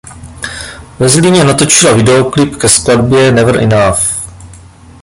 Ve Zlíně Natočila videoklip ke skladbě Never Enough.